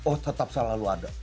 oh tetap selalu ada